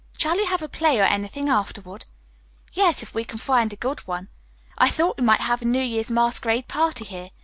Shall you have a play or anything afterward?" "Yes, if we can find a good one. I thought we might have a New Year's masquerade party here.